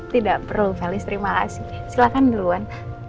tidak perlu velis terima kasih silahkan duluan